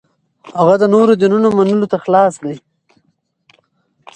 هغه د نورو دینونو منلو ته خلاص دی.